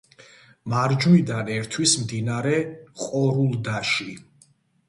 მარჯვნიდან ერთვის მდინარე ყორულდაში.